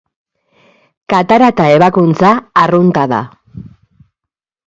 Katarata ebakuntza arrunta da.